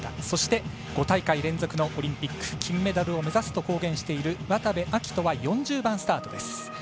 そして５大会連続のオリンピック金メダルを目指すと公言している渡部暁斗は４０番スタートです。